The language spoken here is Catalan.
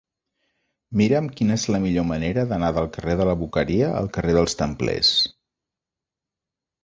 Mira'm quina és la millor manera d'anar del carrer de la Boqueria al carrer dels Templers.